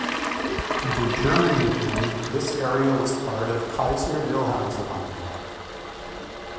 Under German New Guinea this area was part of Kaiser-Wilhelmsland.